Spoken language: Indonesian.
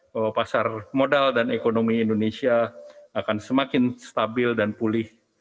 bahwa pasar modal dan ekonomi indonesia akan semakin stabil dan pulih